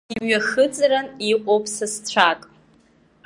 Имҩахыҵран иҟоуп сасцәак.